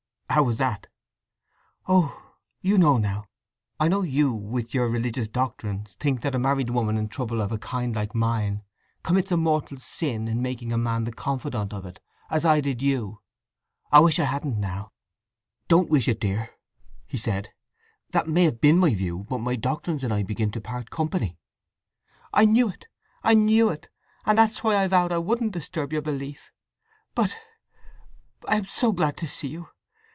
"How was that?" "Oh, you know—now! I know you, with your religious doctrines, think that a married woman in trouble of a kind like mine commits a mortal sin in making a man the confidant of it, as I did you. I wish I hadn't, now!" "Don't wish it, dear," he said. "That may have been my view; but my doctrines and I begin to part company." "I knew it—I knew it! And that's why I vowed I wouldn't disturb your belief. But—I am so glad to see you!